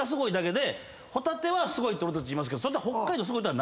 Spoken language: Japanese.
帆立はすごいって俺たち言いますけど。